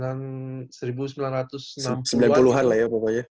sembilan puluh an lah ya pokoknya